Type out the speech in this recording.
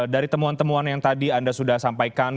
dari temuan temuan yang tadi anda sudah sampaikan